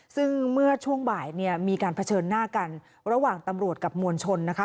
ซึ่งเมื่อช่วงบ่ายเนี่ยมีการเผชิญหน้ากันระหว่างตำรวจกับมวลชนนะคะ